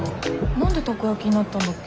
何でタコ焼きになったんだっけ。